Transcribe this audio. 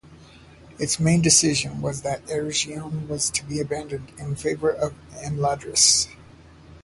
Its main decision was that Eregion was to be abandoned in favour of Imladris.